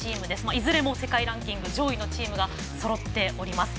いずれも世界ランキング上位のチームがそろっております。